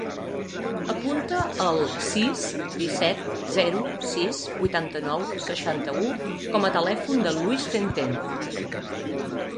Apunta el sis, disset, zero, sis, vuitanta-nou, seixanta-u com a telèfon del Luis Centeno.